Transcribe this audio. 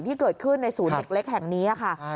ที่เกิดขึ้นในศูนย์เด็กเล็กแห่งนี้ค่ะ